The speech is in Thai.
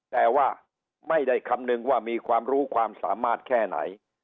แต่ว่าไม่ได้คำนึงว่ามีความรู้ความสามารถแค่ไหน